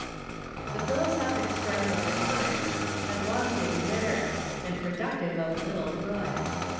The philosophic strife of the times had long been bitter, and productive of little good.